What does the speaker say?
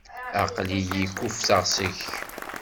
Aql-iyi kuffteɣ seg-k.